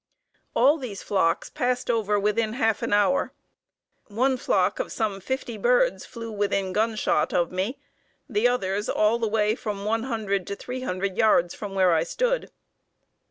All these flocks passed over within half an hour. One flock of some fifty birds flew within gunshot of me, the others all the way from one hundred to three hundred yards from where I stood."